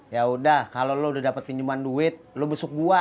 ya udah kalau lo udah dapet pinjeman duit lo besuk gue